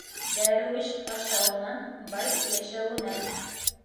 Дәрүиш ашауынан, бай йәшәүенән.